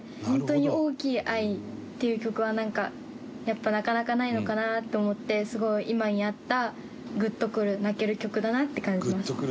本当に大きい愛っていう曲はなんか、やっぱなかなか、ないのかなって思ってすごい、今に合ったグッとくる泣ける曲だなって感じます。